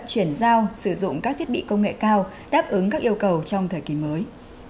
chuyển giao sử dụng các thiết bị công nghệ cao đáp ứng các yêu cầu trong thời kỳ mới